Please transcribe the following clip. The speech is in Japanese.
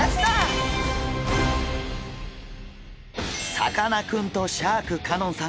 さかなクンとシャーク香音さん